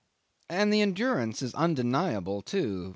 And the endurance is undeniable too.